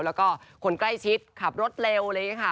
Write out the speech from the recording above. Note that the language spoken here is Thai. แล้วก็คนใกล้ชิดขับรถเร็วเลยค่ะ